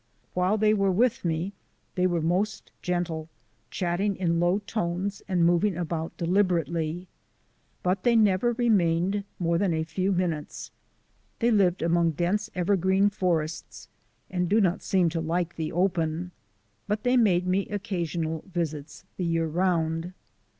While they were with me they were most gentle, chatting in low tones and moving about deliberately. But they never remained more than a few minutes. They live among dense evergreen forests and do not seem to like the open, but they made me occasional visits the year round.